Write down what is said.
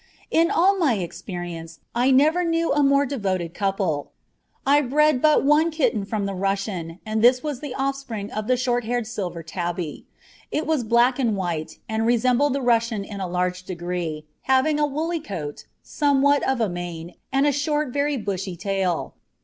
In all my experience I never knew a more devoted couple. I bred but one kitten from the Russian, and this was the offspring of the short haired silver tabby. It was black and white, and resembled the Russian in a large degree, having a woolly coat, somewhat of a mane, and a short, very bushy tail.